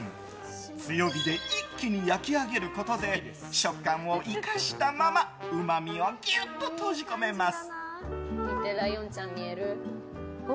強火で一気に焼き上げることで食感を生かしたままうまみをぎゅっと閉じ込めます。